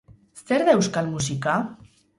Zer da euskal musika?